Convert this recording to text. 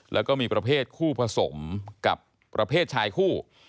แล้วก็มีประเภทคู่ผสมกับประเภทชายคู่